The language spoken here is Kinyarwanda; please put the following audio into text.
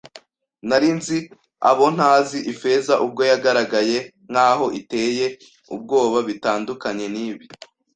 nari nzi abo ntazi. Ifeza ubwe yagaragaye nkaho iteye ubwoba bitandukanye nibi